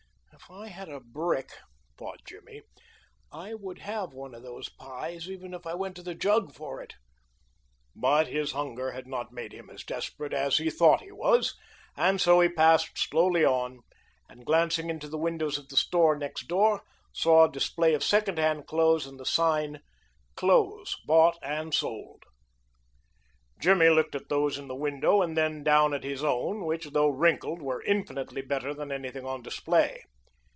"If I had a brick," thought Jimmy, "I would have one of those pies, even if I went to the jug for it," but his hunger had not made him as desperate as he thought he was, and so he passed slowly on, and, glancing into the windows of the store next door, saw a display of second hand clothes and the sign "Clothes Bought and Sold." Jimmy looked at those in the window and then down at his own, which, though wrinkled, were infinitely better than anything on display.